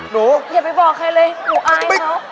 หนูอ้ายแล้ว